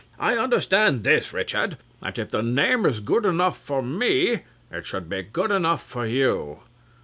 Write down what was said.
I understand this, Richard. That if the name is good enough for me, it should be good enough for you.